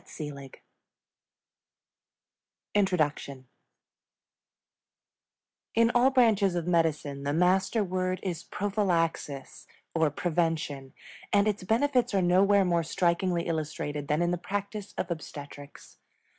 INTRODUCTION In all branches of medicine the master word is prophylaxis, or prevention, and its benefits are nowhere more strikingly illustrated than in the practice of obstetrics.